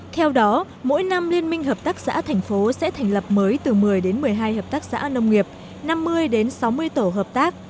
theo đó mỗi năm liên minh hợp tác xã thành phố sẽ thành lập mới từ một mươi đến một mươi hai hợp tác xã nông nghiệp năm mươi đến sáu mươi tổ hợp tác